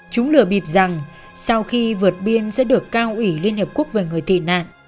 chúng lừa bịp rằng sau khi vượt biên sẽ được cao ủy liên hiệp quốc về người tị nạn